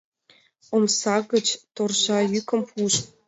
Омса гыч торжа йӱкым пуыш.